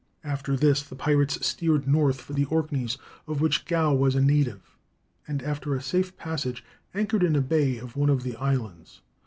After this the pirates steered north for the Orkneys, of which Gow was a native, and after a safe passage anchored in a bay of one of the islands.